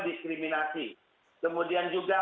diskriminasi kemudian juga